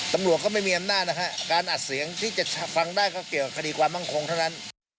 ตำรวจเขาไม่มีอำนาจนะฮะการอัดเสียงที่จะฟังได้ก็เกี่ยวกับคดีความมั่งคงเท่านั้น